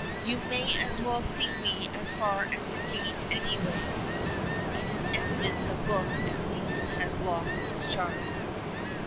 "You may as well see me as far as the gate, any way." It is evident the book at least has lost its charms.